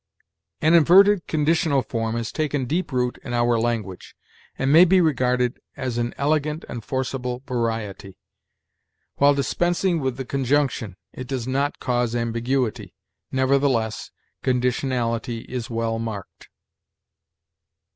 "An inverted conditional form has taken deep root in our language, and may be regarded as an elegant and forcible variety. While dispensing with the conjunction, it does not cause ambiguity; nevertheless, conditionality is well marked.